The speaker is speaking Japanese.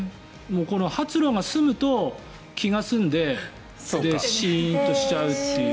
この発露が済むと気が済んでしーんとしちゃうっていう。